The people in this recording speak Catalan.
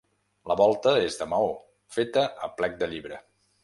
La volta és de maó, feta a plec de llibre.